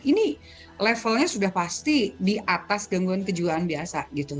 ini levelnya sudah pasti di atas gangguan kejiwaan biasa gitu